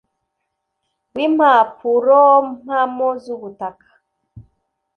w Impapurompamo z ubutaka